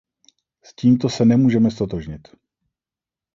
S tímto se nemůžeme ztotožnit.